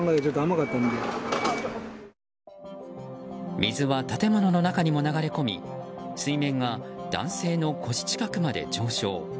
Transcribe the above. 水は建物の中にも流れ込み水面が男性の腰近くまで上昇。